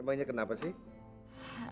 emangnya kenapa sih